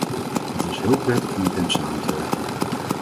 Het was heel prettig om met hem samen te werken.